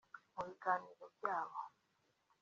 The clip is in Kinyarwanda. mu biganiro byabo